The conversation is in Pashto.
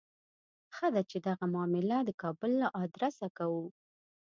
ښه ده چې دغه معامله د کابل له آدرسه کوو.